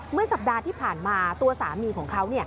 เมื่อสัปดาห์ที่ผ่านมาตัวสามีของเขา